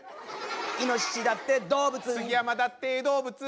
「イノシシだって動物」「杉山だって動物」